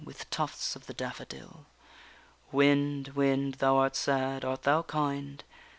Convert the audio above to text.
with tufts of the daffodil. _Wind, wind! thou art sad, art thou kind?